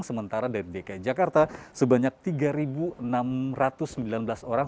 sementara dari dki jakarta sebanyak tiga enam ratus sembilan belas orang